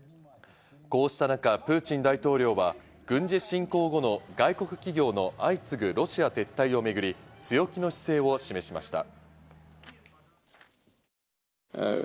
こうした中、プーチン大統領は軍事侵攻後の外国企業の相次ぐロシア撤退をめぐり強気の姿勢を示しました。